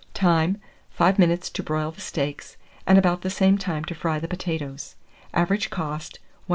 Time. 5 minutes to broil the steaks, and about the same time to fry the potatoes. Average cost, 1s.